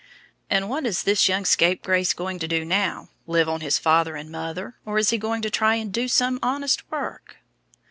"And what is this young scapegrace going to do now? Live on his father and mother, or is he going to try and do some honest work?"